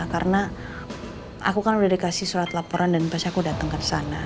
karena aku kan udah dikasih surat laporan dan pas aku datang ke sana